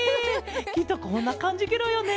きっとこんなかんじケロよね。